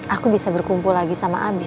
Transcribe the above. aku bisa berkumpul lagi sama abis